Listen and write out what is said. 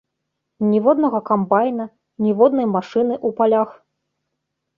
Ніводнага камбайна, ніводнай машыны ў палях.